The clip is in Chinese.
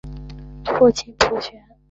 父亲浦璇。